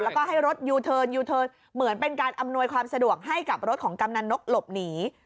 แล้วก็ให้รถอยู่เหมือนเป็นการอำนวยความสะดวกให้กับรถของกํนันนกหลบหนี